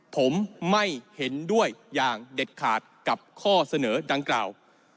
ผมไม่เห็นด้วยอย่างเด็ดขาดกับข้อเสนอดังกล่าว